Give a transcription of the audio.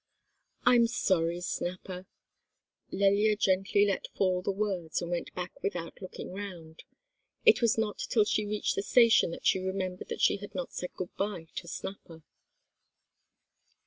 "I'm sorry, Snapper!" Lelya gently let fall the words, and went back without looking round. It was not till she reached the station that she remembered that she had not said good bye to Snapper.